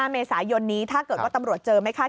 ๕เมษายนถ้าเกิดก็ตำรวจเจอไหมค่ะ